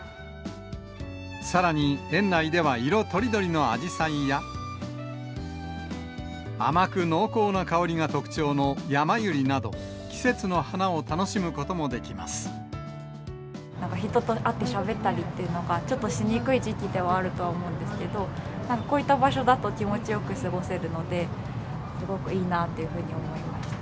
さらに園内では色とりどりのアジサイや、甘く濃厚な香りが特徴のヤマユリなど、季節の花を楽しむこともでなんか、人と会ってしゃべたりっていうのが、ちょっとしにくい時期ではあると思うんですけど、こういった場所だと、気持ちよく過ごせるので、すごくいいなっていうふうに思います。